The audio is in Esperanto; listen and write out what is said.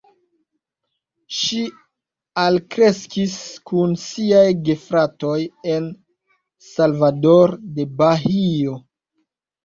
Ŝi alkreskis kun siaj gefratoj en Salvador de Bahio.